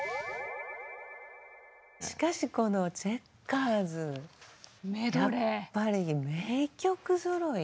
しかしこのチェッカーズやっぱり名曲ぞろい。